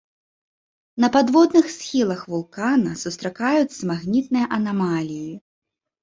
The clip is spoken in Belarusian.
На падводных схілах вулкана сустракаюцца магнітныя анамаліі.